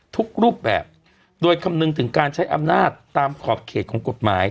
ทุกรูปแบบโดยคำนึงถึงการใช้อำนาจตามขอบเขตของกฎหมาย